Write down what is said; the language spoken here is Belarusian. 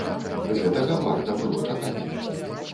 Гэтага варта было чакаць.